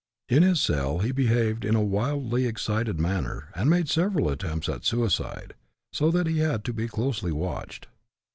In his cell he behaved in a wildly excited manner, and made several attempts at suicide; so that he had to be closely watched.